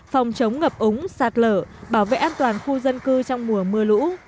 phòng chống ngập ống sạt lở bảo vệ an toàn khu dân cư trong mùa mưa lũ